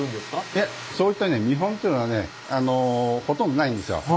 いえそういったね見本っていうのはねほとんどないんですよ。